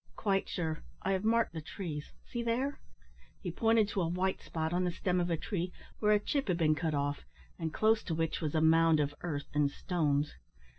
"Quite sure. I have marked the trees. See there!" He pointed to a white spot on the stem of a tree, where a chip had been cut off, and close to which was a mound of earth and stones.